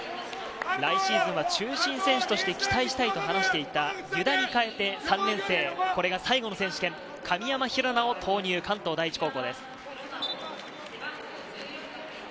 来シーズンは中心選手として期待したいと話していた湯田に代えて３年生、これが最後の選手権、神山寛尚投入、関東第一です。